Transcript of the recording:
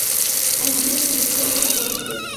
তাই আমি ওকে মিউজিকের অজুহাতে ব্যবহার করেছি।